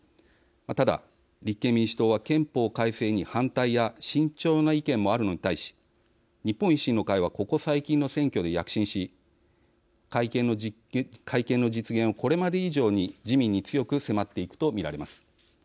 ただ、立憲民主党は憲法改正に反対や慎重な意見もあるのに対し日本維新の会はここ最近の選挙で躍進し改憲の実現をこれまで以上に自民に強く迫っていくと見られます。